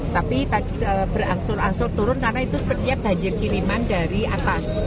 tapi berangsur angsur turun karena itu sepertinya banjir kiriman dari atas